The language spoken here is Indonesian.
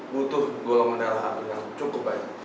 butuh golongan darah api yang cukup banyak